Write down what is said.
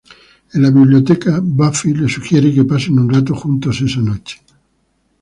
En la biblioteca, Buffy le sugiere que pasen un rato juntos esa noche.